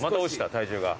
体重が。